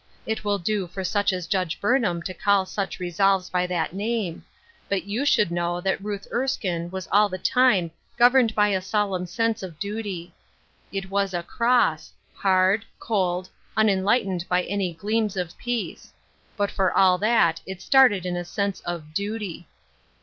It will do for such as Judge Burnham to call such resolves by that name ; but you should know that Ruth Erskine was all the time governed by a solemn sense of duty. It was cross, hard, cold, unlightened by any gleams of peace ; but for all that it started in a sense of dutt